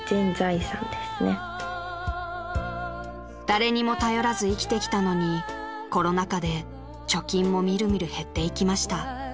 ［誰にも頼らず生きてきたのにコロナ禍で貯金も見る見る減っていきました］